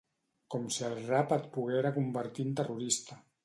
Com si el rap et poguera convertir en terrorista.